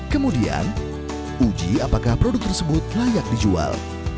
kemudian uji apakah produk tersebut layak dijual